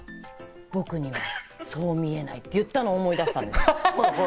僕にはそう見えないって言ったのを思い出した。